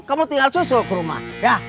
kamu tinggal susu ke rumah